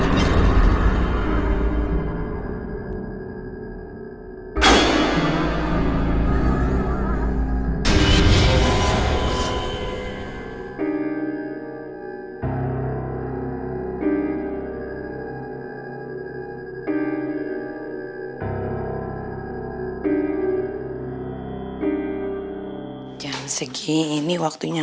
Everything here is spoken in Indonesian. beri makasih vaya